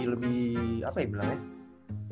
lebih apa ya bilangnya